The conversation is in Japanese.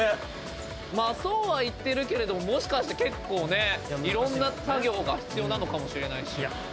そうは言ってるけれどももしかして結構ねいろんな作業が必要なのかもしれないし。